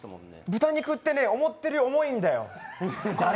豚肉ってね、思ったより重いんだよ。